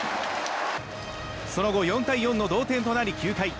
その後４対４の同点となり９回。